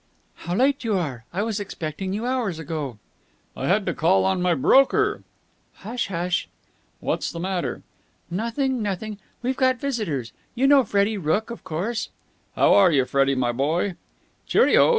"How late you are. I was expecting you hours ago." "I had to call on my broker." "Hush! Hush!" "What's the matter?" "Nothing, nothing.... We've got visitors. You know Freddie Rooke, of course?" "How are you, Freddie, my boy?" "Cheerio!"